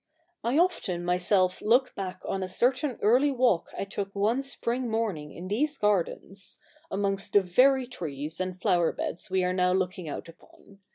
I often myself look back on a certain early walk I took one spring morning in these gardens — amongst the very trees and flower beds we are now looking out upon.